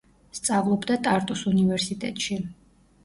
სწავლობდა ტარტუს უნივერსიტეტში.